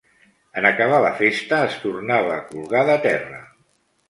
En acabar la festa es tornava a colgar de terra.